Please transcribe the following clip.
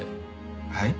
はい？